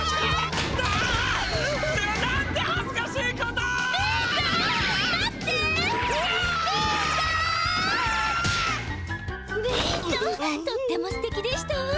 とってもすてきでしたわ。